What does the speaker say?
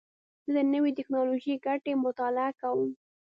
زه د نوې ټکنالوژۍ ګټې مطالعه کوم.